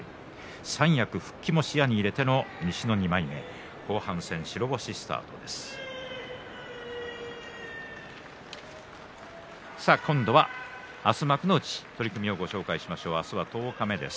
三役復帰も視野に入れて西の２枚目、後半戦白星スタートの玉鷲です。